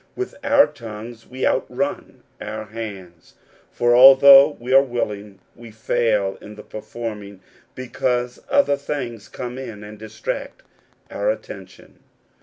With our tongues we outrun our hands; for, although we are willing, we fail in the performing because other things come in and distract our attention.